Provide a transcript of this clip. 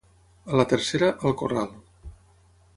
A la tercera, al corral.